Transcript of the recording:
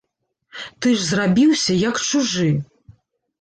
Ты ж зрабіўся, як чужы.